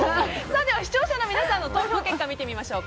では視聴者の皆さんの投票結果を見てみましょう。